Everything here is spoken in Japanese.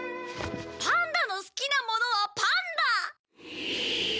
「パンダの好きなものはパンだ」。